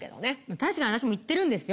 確かに私もいってるんですよ。